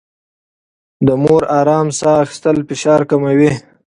د مور ارام ساه اخيستل فشار کموي.